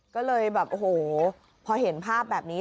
ก็เลยพอเห็นภาพแบบนี้